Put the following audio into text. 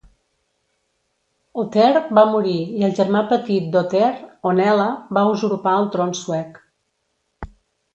Ohthere va morir, i el germà petit d'Ohthere, Onela, va usurpar el tron suec.